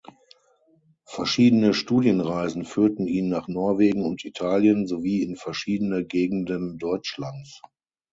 Verschiedene Studienreisen führten ihn nach Norwegen und Italien sowie in verschiedene Gegenden Deutschlands.